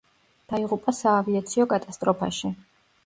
დაიღუპა საავიაციო კატასტროფაში.